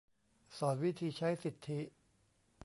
สอนวิธีใช้สิทธิ